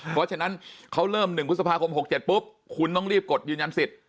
เพราะฉะนั้นเขาเริ่ม๑พฤษภาคม๖๗ปุ๊บคุณต้องรีบกดยืนยันสิทธิ